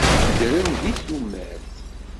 Ddren di tumert.